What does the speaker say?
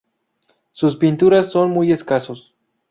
Sus pinturas son muy escasos.